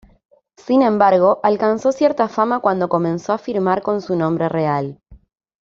Sin embargo, alcanzó cierta fama cuando comenzó a firmar con su nombre real.